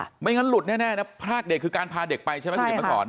ไม่อย่างนั้นหลุดแน่นะพรากเด็กคือการพาเด็กไปใช่ไหมครับ